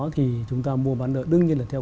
thì chúng ta mua bán nợ đương nhiên là theo